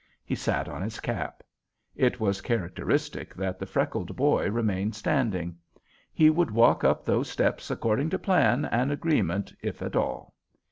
He sat on his cap. It was characteristic that the freckled boy remained standing. He would walk up those steps according to plan and agreement, if at all.